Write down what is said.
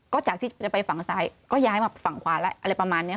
ก็จากที่จะไปฝั่งซ้ายก็ย้ายมาฝั่งขวาแล้วอะไรประมาณนี้